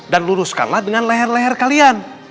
dan luruskanlah dengan leher leher kalian